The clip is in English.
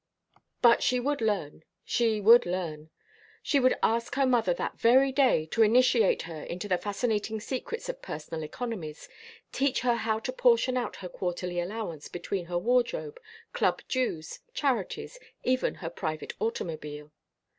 But she would learn! She would learn! She would ask her mother that very day to initiate her into the fascinating secrets of personal economies, teach her how to portion out her quarterly allowance between her wardrobe, club dues, charities, even her private automobile.